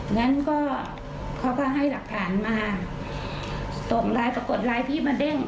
งั้นก็เขาก็ให้หลักฐานมาส่งไลน์ปรากฏไลน์พี่มาเด้ง